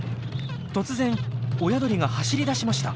突然親鳥が走りだしました。